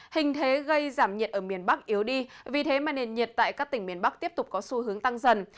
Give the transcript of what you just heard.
hình thế gây giảm nhiệt ở miền bắc yếu đi vì thế mà nền nhiệt tại các tỉnh miền bắc tiếp tục có xu hướng tăng dần